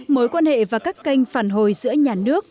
mối quan hệ và các kênh phản hồi giữa nhà nước